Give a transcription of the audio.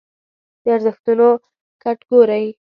د ارزښتونو کټګورۍ